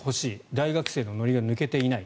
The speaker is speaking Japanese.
大学生のノリが抜けていない。